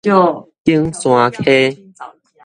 景山溪